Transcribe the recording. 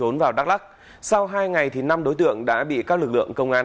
năm đối tượng đã bị các lực lượng công an